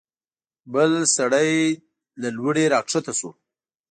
بل سړی له لوړې راکښته شو.